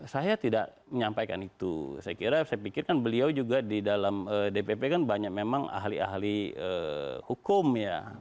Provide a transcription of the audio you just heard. saya tidak menyampaikan itu saya kira saya pikir kan beliau juga di dalam dpp kan banyak memang ahli ahli hukum ya